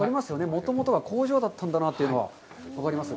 もともとは工場だったんだなというのが分かります。